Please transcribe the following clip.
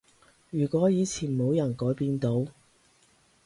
如果以前冇人改變到